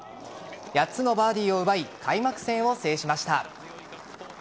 ８つのバーディーを奪い開幕戦を制しました。